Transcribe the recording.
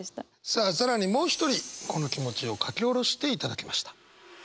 さあ更にもう一人この気持ちを書き下ろしていただきました。